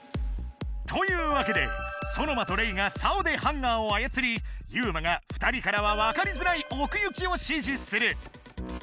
というわけでソノマとレイがさおでハンガーをあやつりユウマが２人からはわかりづらいおくゆきをしじする。